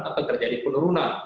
akan terjadi penurunan